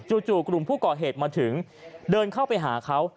จู่กลุ่มผู้ก่อเหตุมาถึงเดินเข้าไปหาเขา